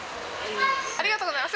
ありがとうございます。